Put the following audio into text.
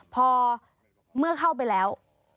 พอเมื่อเข้าไปแล้ว